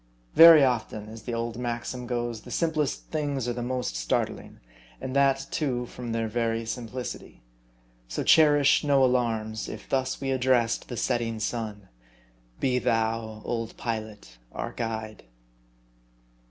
Very often, as the old maxim goes, the simplest things are the most startling, and that, too, from their very simplicity. So cherish no alarms, if thus we addressed the setting sun " Be thou, old pilot, our guide